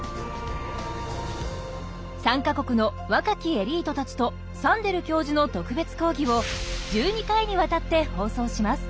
３か国の若きエリートたちとサンデル教授の特別講義を１２回にわたって放送します。